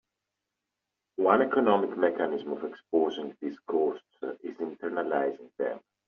One economic mechanism of exposing these costs is internalizing them.